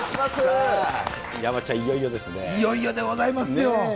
いよいよでございますよ。